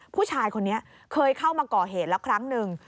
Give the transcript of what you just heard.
ผู้ชายคนนี้เคยเข้ามาก่อเหตุแล้วครั้งหนึ่ง